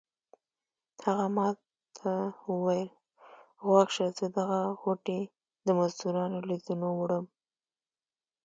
هغه ما ته وویل غوږ شه زه دغه غوټې د مزدورانو له زینو وړم.